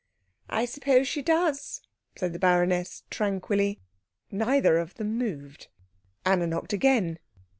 "I suppose she does," said the baroness tranquilly. Neither of them moved. Anna knocked again.